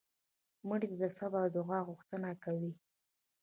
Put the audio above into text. مړه د صبر او دعا غوښتنه کوي